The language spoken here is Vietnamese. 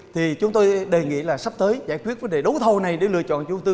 thì chúng tôi đề nghị là sắp tới giải quyết vấn đề đấu thầu này để lựa chọn chủ đầu tư